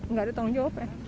nggak ada tanggung jawab